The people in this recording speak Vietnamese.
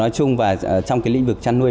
trong lĩnh vực chăn nuôi